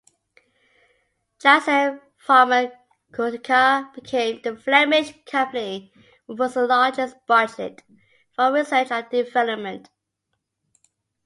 Janssen Pharmaceutica became the Flemish company with the largest budget for research and development.